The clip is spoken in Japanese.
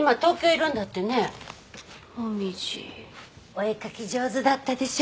お絵描き上手だったでしょ。